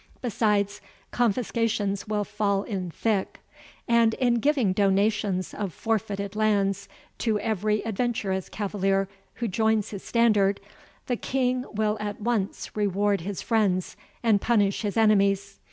Besides, confiscations will fall in thick; and, in giving donations of forfeited lands to every adventurous cavalier who joins his standard, the King will at once reward his friends and punish his enemies.